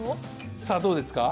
さあどうですか？